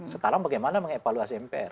sekarang bagaimana mengevaluasi mpr